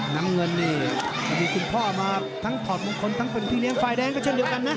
น้ำเงินนี่มีคุณพ่อมาทั้งถอดมงคลทั้งเป็นพี่เลี้ยฝ่ายแดงก็เช่นเดียวกันนะ